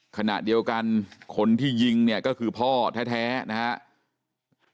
ขณะเดียวกันคนที่ยิงเนี่ยก็คือพ่อแท้นะครับ